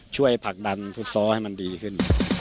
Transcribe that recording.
ผลักดันฟุตซอลให้มันดีขึ้น